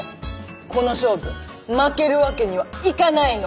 この勝負負けるわけにはいかないの！